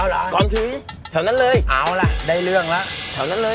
แล้วนิดเดียวเลย